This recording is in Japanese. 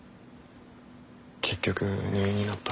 結局入院になった。